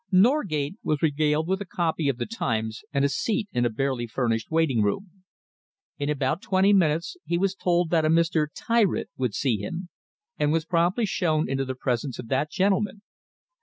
Norgate was regaled with a copy of The Times and a seat in a barely furnished waiting room. In about twenty minutes he was told that a Mr. Tyritt would see him, and was promptly shown into the presence of that gentleman.